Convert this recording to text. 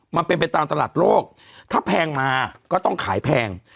มันเป็นไปตามตลาดโลกถ้าแพงมาก็ต้องขายแพง